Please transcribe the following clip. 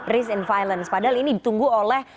risk and violence padahal ini ditunggu oleh